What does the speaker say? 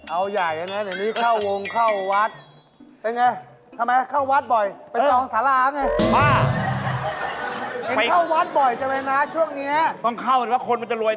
เอาใหญ่นะนี่เข้าวงเข้าวัด